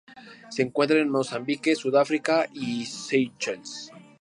Se encuentra en Mozambique, Sudáfrica y Seychelles.